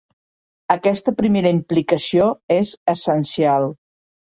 Aquesta primera implicació es "essencial".